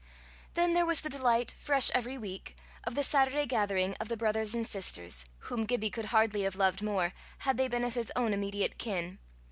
Then there was the delight, fresh every week, of the Saturday gathering of the brothers and sisters, whom Gibbie could hardly have loved more, had they been of his own immediate kin.